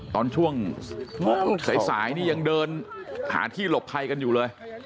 ตอนช่วงสายนี่ยังเดินหาที่หลบภัยกันอยู่เลย